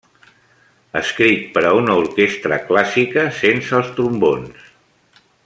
Escrit per a una orquestra clàssica, sense els trombons.